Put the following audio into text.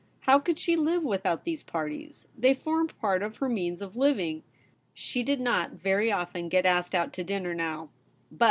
How could she live without these parties } They formed part of her means of living. She did not very often get asked out to dinner now, but VOL. I. 8 114 THE REBEL ROSE.